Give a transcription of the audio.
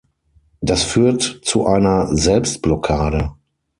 Das führt zu einer Selbstblockade.